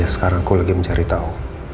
aku takut dikasih